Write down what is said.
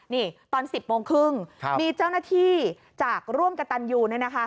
นี่ตอน๑๐โมงครึ่งมีเจ้าหน้าที่จากร่วมกับตันยูน